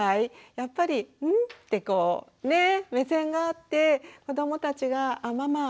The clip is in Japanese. やっぱり「ん？」ってこうね目線が合って子どもたちがあママ